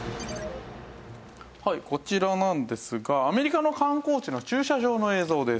はいこちらなんですがアメリカの観光地の駐車場の映像です。